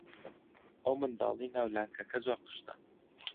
ئەو منداڵەی ناو لانکەکە زۆر قشتە.